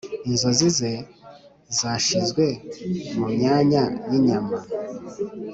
inzozi ze zashizwe mumyanya yinyama.